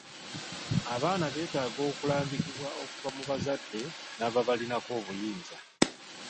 Abaana beetaaga okulambikibwa okuva mu bazadde n'ababalinako obuyinza.